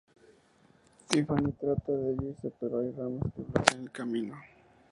Tiffany trata de irse pero hay ramas que bloquean el camino.